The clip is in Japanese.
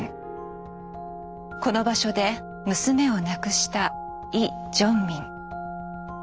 この場所で娘を亡くしたイ・ジョンミン。